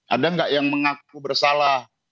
ada nggak yang mengaku bersalah